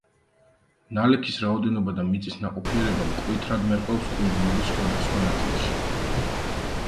ნალექის რაოდენობა და მიწის ნაყოფიერება მკვეთრად მერყეობს კუნძულების სხვადასხვა ნაწილში.